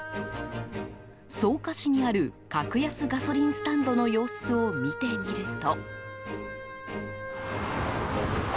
草加市にある格安ガソリンスタンドの様子を見てみると。